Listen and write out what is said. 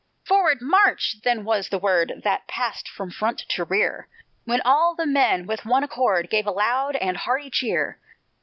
"Forward, March!" then was the word That passed from front to rear, When all the men with one accord Gave a loud and hearty cheer.